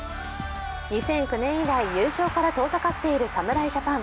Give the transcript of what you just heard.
２００９年以来優勝から遠ざかっている侍ジャパン。